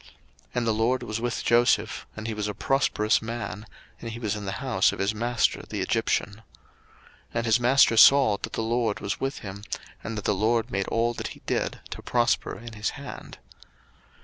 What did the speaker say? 01:039:002 And the LORD was with Joseph, and he was a prosperous man; and he was in the house of his master the Egyptian. 01:039:003 And his master saw that the LORD was with him, and that the LORD made all that he did to prosper in his hand.